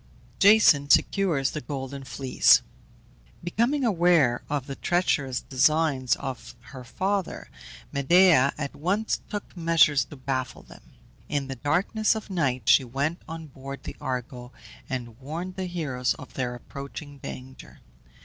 JASON SECURES THE GOLDEN FLEECE. Becoming aware of the treacherous designs of her father, Medea at once took measures to baffle them. In the darkness of night she went on board the Argo, and warned the heroes of their approaching danger.